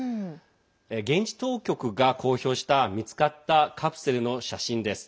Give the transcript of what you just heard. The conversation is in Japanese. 現地当局が公表した見つかったカプセルの写真です。